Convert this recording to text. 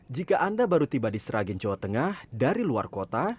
jika anda baru tiba di sragen jawa tengah dari luar kota